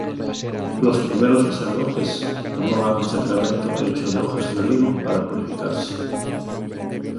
Los primeros sacerdotes tomaban un sacramento hecha de hojas de olivo para purificarse.